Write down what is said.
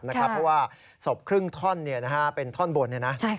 เพราะว่าศพครึ่งท่อนเป็นท่อนบน